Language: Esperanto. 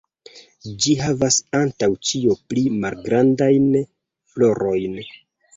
Ĝi havas antaŭ ĉio pli malgrandajn florojn.